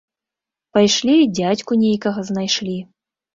Пайшлі дзядзьку нейкага знайшлі.